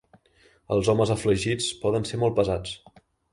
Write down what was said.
Els homes afligits poden ser molt pesats.